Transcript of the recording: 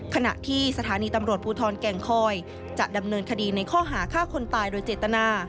ขณะที่สถานีตำรวจภูทรแก่งคอยจะดำเนินคดีในข้อหาฆ่าคนตายโดยเจตนา